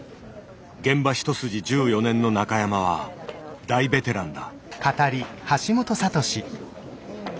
現場一筋１４年の中山は大ベテランだ。